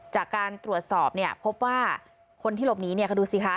จากการตรวจสอบเนี่ยพบว่าคนที่หลบหนีเนี่ยเขาดูสิคะ